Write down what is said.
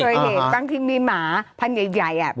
มีเหตุบ้างที่มีหมาพันธุ์ใหญ่